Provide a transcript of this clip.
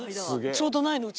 ちょうどないのうち。